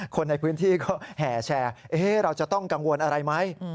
คนในพื้นที่ก็แห่แชร์เราจะต้องกังวลอะไรไหม